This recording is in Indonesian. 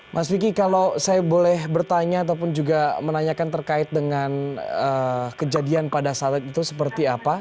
mas vicky kalau saya boleh bertanya ataupun juga menanyakan terkait dengan kejadian pada saat itu seperti apa